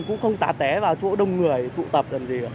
cũng không tà té vào chỗ đông người tụ tập làm gì cả